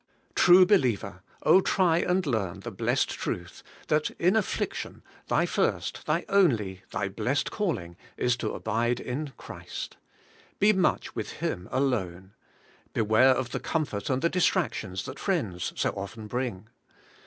True believer! try and learn the blessed truth, that in affliction thy first, thy only, thy blessed call ing is to abide in Christ. Be much with Him alone. Beware of the comfort and the distractions that friends so often bring.